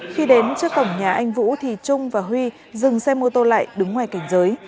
khi đến trước cổng nhà anh vũ thì trung và huy dừng xe mô tô lại đứng ngoài cảnh giới